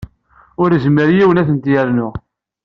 Ur yezmir yiwen ad tent-yernu.